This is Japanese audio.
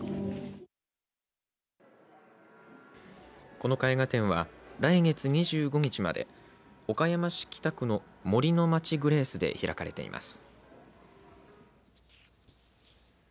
この絵画展は来月２５日まで岡山市北区の杜の街グレースで開かれています。